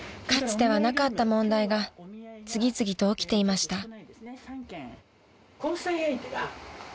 ［かつてはなかった問題が次々と起きていました］